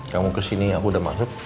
kamu kesini aku udah masuk